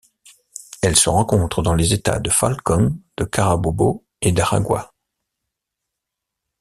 Elle se rencontre dans les États de Falcón, de Carabobo et d'Aragua.